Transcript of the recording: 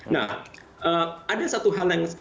nah ada satu hal yang